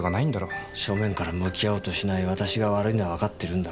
正面から向き合おうとしない私が悪いのは分かってるんだ。